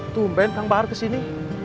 tumben kang bahar kesini